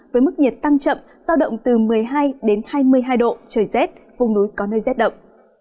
với mức nhiệt tăng chậm giao động từ một mươi hai đến hai mươi hai độ trời rét vùng núi có nơi rét đậm